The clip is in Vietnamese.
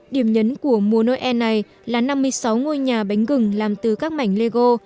điểm nhấn của mùa noel này là năm mươi sáu ngôi nhà bánh gừng làm từ các mảnh lego